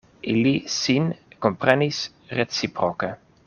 Ili sin komprenis reciproke.